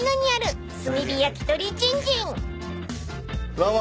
どうも。